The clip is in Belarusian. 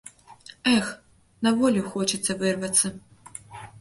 Эх, на волю хочацца вырвацца!